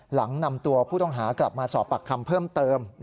หลังนำตัวผู้ต้องหากลับมาสอบปากคำเพิ่มเติม